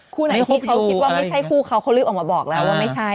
คู่นี้ทุกคนว่าเป็นคนออกมาบอกแล้วไม่ใช่